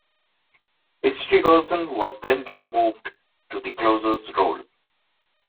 Isringhausen was then moved to the closer's role.